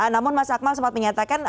namun mas akmal sempat menyatakan